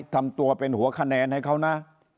ทำตัวเป็นหัวคะแนนให้เขานะ